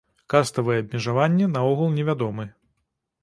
Каставыя абмежаванні наогул не вядомы.